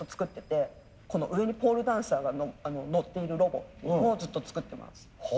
この上にポールダンサーが乗っているロボをずっと作ってます。